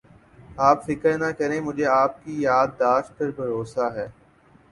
آپ فکر نہ کریں مجھے آپ کی یاد داشت پر بھروسہ ہے